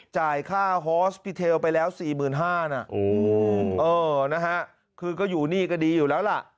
จ่ายค่าฮอสปิเทลไปแล้ว๔๕๐๐นะคือก็อยู่นี่ก็ดีอยู่แล้วล่ะ